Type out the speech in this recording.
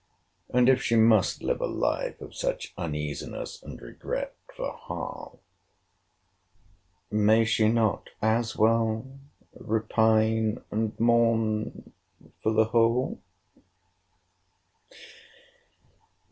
—And if she must live a life of such uneasiness and regret for half, may she not as well repine and mourn for the whole?